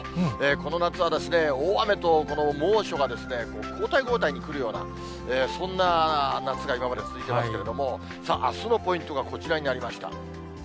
この夏は大雨と猛暑が交代交代に来るような、そんな夏が今まで続いてますけれども、さああすのポイントがこちらになりました。